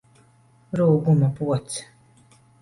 Rūguma pods!